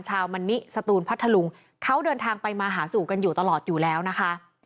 มะนิสตูนพัทธลุงเขาเดินทางไปมาหาสู่กันอยู่ตลอดอยู่แล้วนะคะ